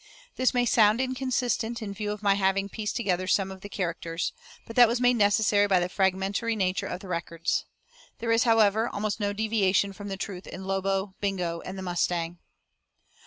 This may sound inconsistent in view of my having pieced together some of the characters, but that was made necessary by the fragmentary nature of the records. There is, however, almost no deviation from the truth in Lobo, Bingo, and the Mustang.